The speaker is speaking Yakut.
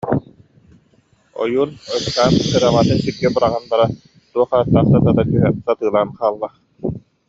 Ойуун ыксаан кыдаматын сиргэ быраҕан баран: «Туох ааттаах сатата түһэн сатыылаан хаалла